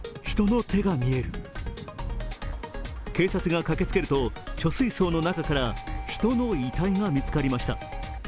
警察が駆けつけると貯水槽の中から人の遺体が見つかりました。